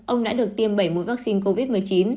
ông đã được tiêm bảy mũi vaccine covid một mươi chín